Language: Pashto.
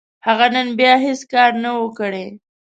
هغه نن بيا هيڅ کار نه و، کړی.